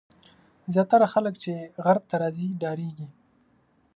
زیاتره خلک چې غرب ته راځي ډارېږي.